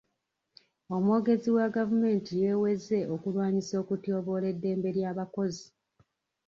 Omwogezi wa gavumenti yeeweze okulwanyisa okutyoboola eddembe ly'abakozi.